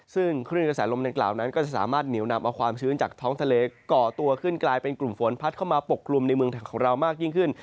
ซึ่งคลื่นกระแสลมดังกล่าวนั้นก็จะสามารถเหนียวนำเอาความชื้นจากท้องทะเลก่อตัวขึ้นกลายเป็นกลุ่มฝนพัดเข้ามาปกกลุ่มในเมืองของเรามากยิ่งขึ้น